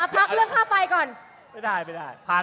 พักเรื่องค่าไฟก่อน